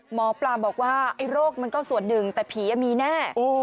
หมอปลาบอกว่าไอ้โรคมันก็ส่วนหนึ่งแต่ผีมีแน่